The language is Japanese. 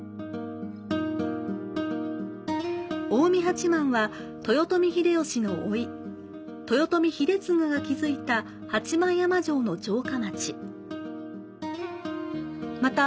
近江八幡は豊臣秀吉の甥、豊臣秀次が築いた八幡山城の城下町。